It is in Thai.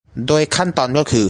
โดยขั้นตอนก็คือ